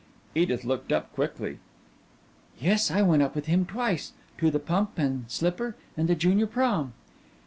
Edith looked up quickly. "Yes, I went up with him twice to the Pump and Slipper and the Junior prom."